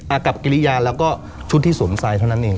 กับกิริยาแล้วก็ชุดที่สวมใส่เท่านั้นเอง